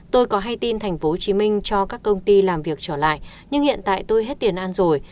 tôi có hay tin tp hcm cho các công ty làm việc trở lại nhưng hiện tại tôi hết tiền ăn rồi